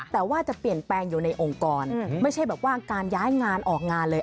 แต่ว่าจะเปลี่ยนแปลงอยู่ในองค์กรไม่ใช่แบบว่าการย้ายงานออกงานเลย